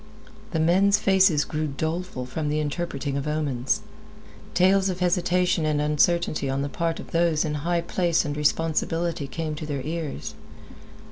The men's faces grew doleful from the interpreting of omens. Tales of hesitation and uncertainty on the part of those high in place and responsibility came to their ears.